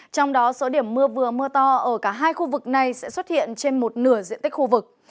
trong đó số điểm mưa vừa mưa to ở cả hai khu vực này sẽ xuất hiện trên một nửa diện tích khu vực